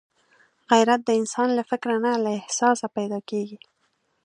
غیرت د انسان له فکره نه، له احساسه پیدا کېږي